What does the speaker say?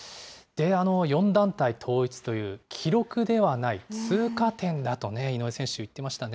４団体統一という記録ではない、通過点だと井上選手、言ってましたね。